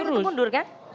ditawarin untuk mundur kan